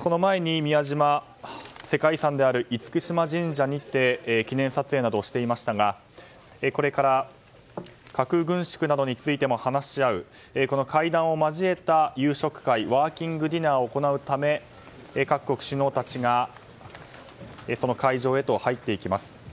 この前に宮島世界遺産である厳島神社にて記念撮影などをしていましたがこれから核軍縮などについても話し合うこの会談を交えた夕食会ワーキングディナーを行うため、各国首脳たちがその会場へと入っていきます。